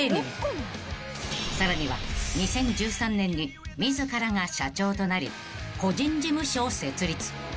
［さらには２０１３年に自らが社長となり個人事務所を設立］